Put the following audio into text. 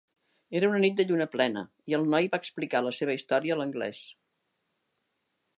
Era una nit de lluna plena i el noi va explicar la seva història a l'Anglès.